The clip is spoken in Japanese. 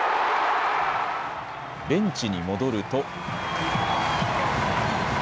ベンチに戻ると。